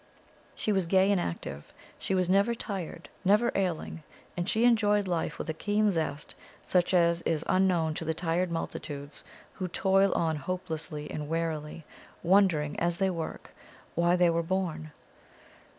She was gay and active; she was never tired, never ailing, and she enjoyed life with a keen zest such as is unknown to the tired multitudes who toil on hopelessly and wearily, wondering, as they work, why they were born.